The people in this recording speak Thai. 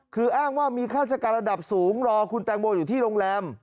คืออ้างว่ามีข้าราชการระดับสูงรอคุณแตงโมอยู่ที่โรงแรม